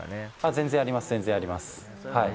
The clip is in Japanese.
全然あります、全然あります。